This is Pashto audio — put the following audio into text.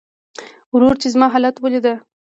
ورور چې زما حالت وليده .